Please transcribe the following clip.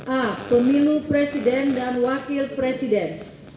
a pemilu presiden dan wakil presiden